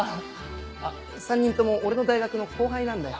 あっ３人とも俺の大学の後輩なんだよ。